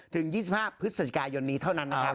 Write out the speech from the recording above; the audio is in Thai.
ถึง๒๕พฤศจิกายนนี้เท่านั้นนะครับ